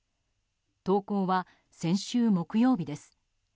投稿は先週木曜日です。